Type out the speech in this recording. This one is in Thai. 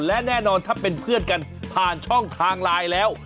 และแน่นอนถ้าเป็นเพื่อนกันผ่านช่องทางไลน์แล้ว